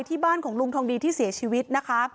ที่บ้านของลุงทองดีที่เสียชีวิตนะคะ